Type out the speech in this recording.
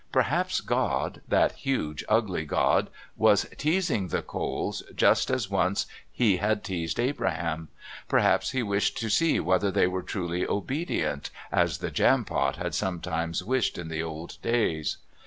Perhaps God, that huge, ugly God was teasing the Coles just as once He had teased Abraham. Perhaps He wished to see whether they were truly obedient as the Jampot had sometimes wished in the old days.